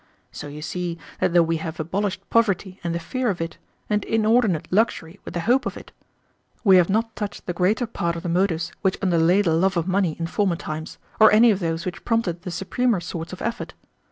So you see that though we have abolished poverty and the fear of it, and inordinate luxury with the hope of it, we have not touched the greater part of the motives which underlay the love of money in former times, or any of those which prompted the supremer sorts of effort.